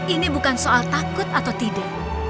ini bukan soal takut atau tidak